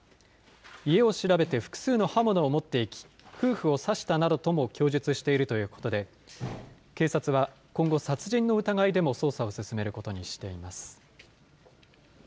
家を調べて複数の刃物を持っていき、夫婦を刺したなどとも供述しているということで、警察は今後、殺人の疑いでも捜査を進めることにしています。